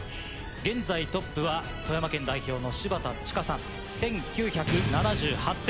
現在トップは富山県代表の柴田千佳さん１９７８点。